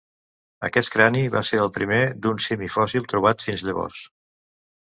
Aquest crani va ser el primer d'un simi fòssil trobat fins llavors.